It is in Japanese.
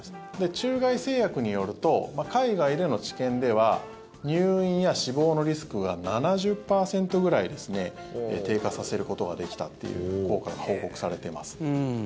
中外製薬によると海外での治験では入院や死亡のリスクが７０％ぐらい低下させることができたっていう効果が報告されてます。